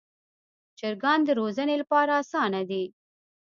چرګان د روزنې لپاره اسانه دي.